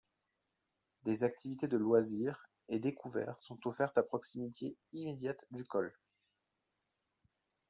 Des activités de loisirs et découverte sont offertes à proximité immédiate du col.